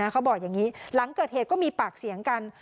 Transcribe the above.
เขาบอกอย่างนี้หลังเกิดเหตุก็มีปากเสียงกัน